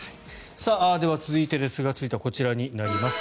では続いてですが続いてはこちらになります。